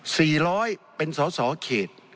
สี่ร้อยเป็นสาวเขต